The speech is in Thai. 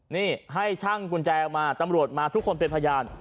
นี่ให้ช่างกุญแจออกมาตำรวจมาทุกคนเป็นพยาน